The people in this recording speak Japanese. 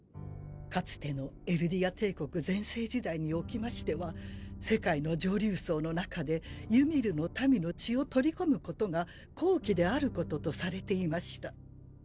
かつてのエルディア帝国全盛時代におきましては世界の上流層の中でユミルの民の血を取り込むことが高貴であることとされていました。